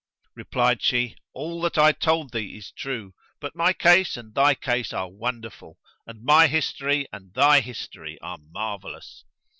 Replied she, "All that I told thee is true, but my case and thy case are wonderful and my history and thy his tory are marvellous.